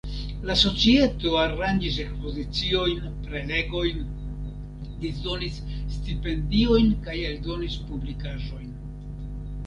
La societo aranĝis ekspoziciojn, prelegojn, disdonis stipendiojn kaj eldonis publikaĵojn.